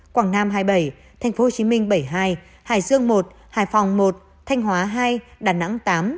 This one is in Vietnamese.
quảng nam hai mươi bảy tp hcm bảy mươi hai hải dương một hải phòng một thanh hóa hai đà nẵng tám